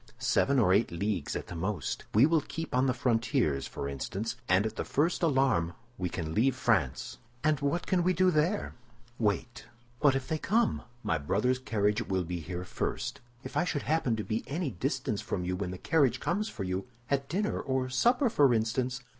"Seven or eight leagues at the most. We will keep on the frontiers, for instance; and at the first alarm we can leave France." "And what can we do there?" "Wait." "But if they come?" "My brother's carriage will be here first." "If I should happen to be any distance from you when the carriage comes for you—at dinner or supper, for instance?"